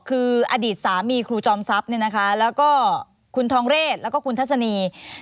คืออดีตสามีครูจอมทรัพย์เนี่ยนะคะแล้วก็คุณทองเรศแล้วก็คุณทัศนี